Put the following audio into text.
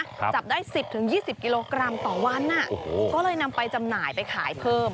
จับได้สิบถึงยี่สิบกิโลกรัมต่อวันอ่ะโอ้โหก็เลยนำไปจำหน่ายไปขายเพิ่ม